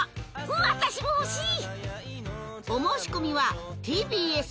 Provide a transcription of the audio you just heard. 私も欲しい！